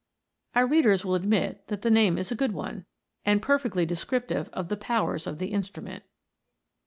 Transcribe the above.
Our readers will admit that the name is a good one, and perfectly descriptive of the powers of the instrument.